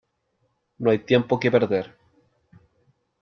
No hay tiempo que perder .